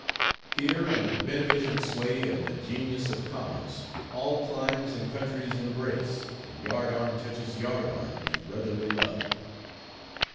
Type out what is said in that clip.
Here, under the beneficent sway of the Genius of Commerce, all climes and countries embrace; and yard arm touches yard arm in brotherly love.